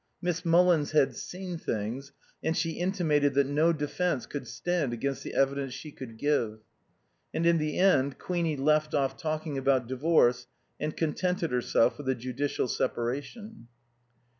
Miss Mullins had seen things, and she intimated that no defence could stand against the evidence she could give. And in the end Queenie left off talking about divorce and contented herself with a judicial separation.